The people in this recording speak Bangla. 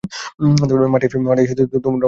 মাঠে এসে তোমার বীরত্ব দেখাচ্ছ না কেন?